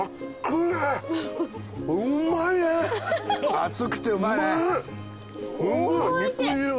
熱くてうまいね。